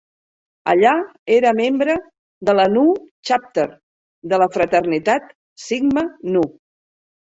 Allà era membre de la Nu Chapter de la fraternitat Sigma Nu.